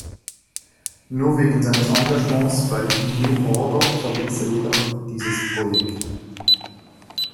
Wegen seines Engagements bei New Order verließ er jedoch dieses Projekt.